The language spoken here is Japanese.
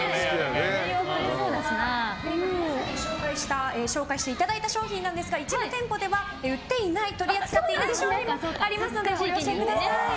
皆さんに紹介していただいた商品ですが一部店舗では売っていない取り扱っていない商品もありますのでご了承ください。